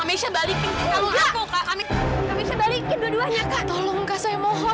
bisa balik itu aku kamu bisa balikin dua duanya kak tolong saya mohon